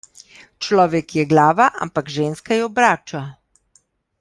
Človek je glava, ampak ženska jo obrača.